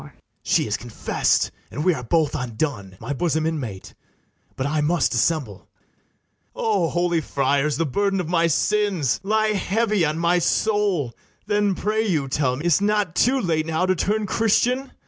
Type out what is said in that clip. BARABAS. She has confess'd, and we are both undone, My bosom inmate! but I must dissemble. [Aside to ITHAMORE.] O holy friars, the burden of my sins Lie heavy on my soul! then, pray you, tell me, Is't not too late now to turn Christian?